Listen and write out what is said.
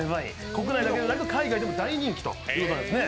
国内だけでなく海外でも大人気ということですね。